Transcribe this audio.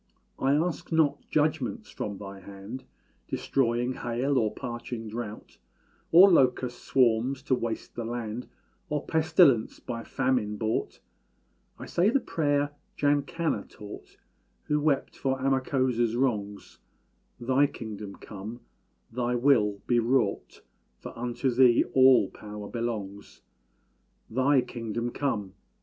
I ask not judgments from thy hand Destroying hail or parching drought, Or locust swarms to waste the land, Or pestilence, by Famine brought; I say the prayer Jankanna taught, Who wept for Amakósa's wrongs "Thy kingdom come Thy will be wrought For unto Thee all power belongs." Thy kingdom come!